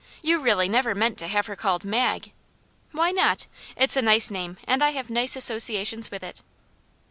"You really never meant to have her called *Mag?'" " Why not ? It's a nice name, and I have nice associations with it."